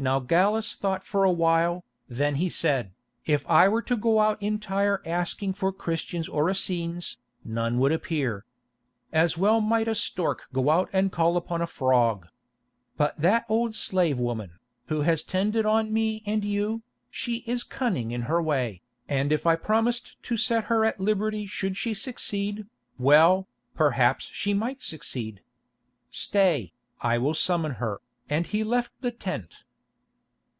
Now Gallus thought for a while, then he said, "If I were to go out in Tyre asking for Christians or Essenes, none would appear. As well might a stork go out and call upon a frog. But that old slave woman, who has tended on me and you, she is cunning in her way, and if I promised to set her at liberty should she succeed, well, perhaps she might succeed. Stay, I will summon her," and he left the tent.